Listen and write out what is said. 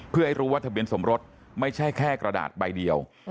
เพื่อให้รู้ว่าทะเบียนสมรสไม่ใช่แค่กระดาษใบเดียว